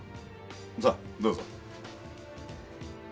さぁどうぞ。